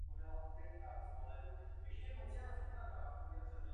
Byl profesorem univerzity v Chicagu.